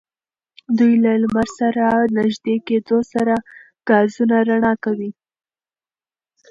دوی له لمر سره نژدې کېدو سره ګازونه رڼا کوي.